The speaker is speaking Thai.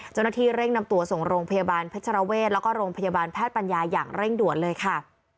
เจ้าหน้าที่เร่งนำตัวส่งโรงพยาบาลเพชรเวศแล้วก็โรงพยาบาลแพทย์ปัญญาอย่างเร่งด่วนเลยค่ะ